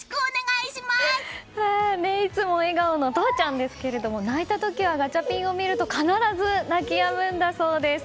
いつも笑顔の都蒼ちゃんですけれども泣いた時はガチャピンを見ると必ず泣きやむんだそうです。